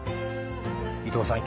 伊藤さん